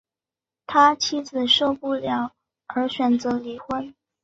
他妻子受不了而选择离婚